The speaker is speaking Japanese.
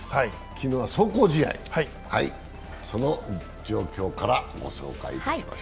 昨日は壮行試合、その状況からお伝えします。